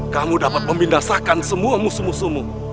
kamu dapat memindah sakan semua musuh musuhmu